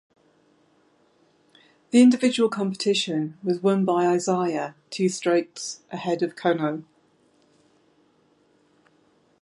The individual competition was won by Hsieh two strokes ahead of Kono.